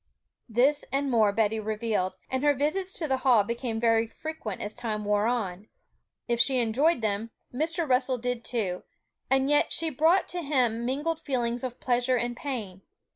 This and more Betty revealed; and her visits to the Hall became very frequent as time wore on. If she enjoyed them, Mr. Russell did too, and yet she brought to him mingled feelings of pleasure and pain.